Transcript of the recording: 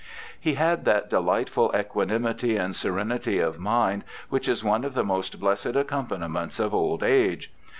He had that delightful equanimity and serenity of mind which is one of the most blessed accompaniments of old age.